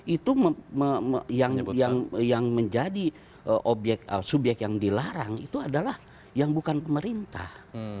itu yang menjadi subyek yang dilarang itu adalah yang bukan pemerintah